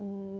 đúng rồi ạ